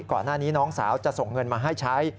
ก่อนหน้านี้น้องสาวจะส่งเงินมาให้ใช้